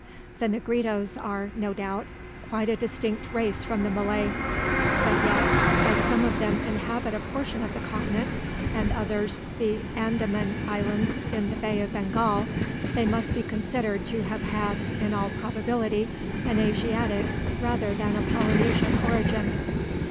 The Negritos are, no doubt, quite a distinct race from the Malay; but yet, as some of them inhabit a portion of the continent, and others the Andaman Islands in the Bay of Bengal, they must be considered to have had, in all probability, an Asiatic rather than a Polynesian origin.